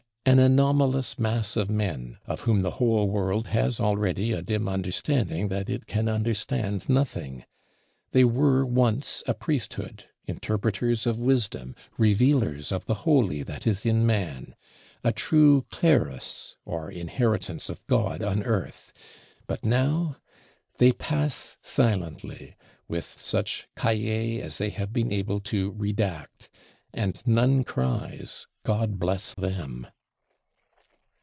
An anomalous mass of men; of whom the whole world has already a dim understanding that it can understand nothing. They were once a Priesthood, interpreters of Wisdom, revealers of the Holy that is in Man; a true Clerus (or Inheritance of God on Earth): but now? They pass silently, with such Cahiers as they have been able to redact; and none cries, God bless them.